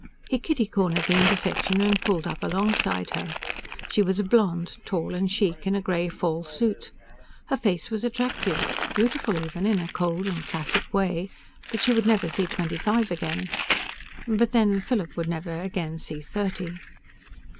He kitty cornered the intersection and pulled up alongside her. She was a blonde, tall and chic in a gray fall suit. Her face was attractive beautiful even, in a cold and classic way but she would never see twenty five again. But then, Philip would never again see thirty.